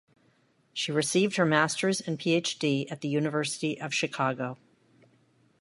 She received her Masters and PhD at the University of Chicago.